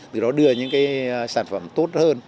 từ đó đưa những sản phẩm tốt hơn